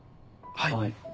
はい。